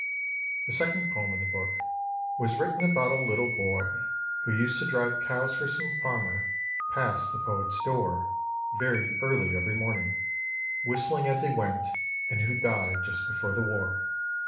The second poem in the book was written about a little boy who used to drive cows for some farmer past the poet's door very early every morning, whistling as he went, and who died just before the war.